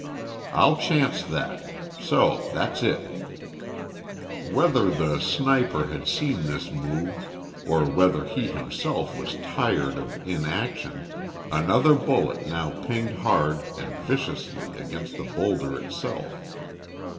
"I'll chance that. So. That's it." Whether the sniper had seen this move, or whether he himself was tired of inaction, another bullet now pinged hard and viciously against the boulder itself.